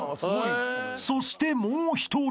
［そしてもう１人］